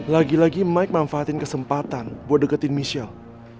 lagi lagi mike manfaatin kesempatan buat deketin michelle